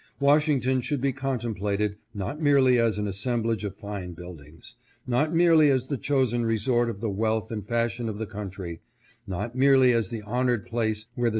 "' Washington should be contemplated not merely as an assemblage of fine buildings ; not merely as the chosen resort of the wealth and fashion of the country ; not merely as the honored place where the 516 THE LECTURE DEFENDED.